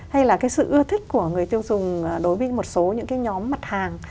hay là cái sự ưa thích của người tiêu dùng đối với một số những cái nhóm mặt hàng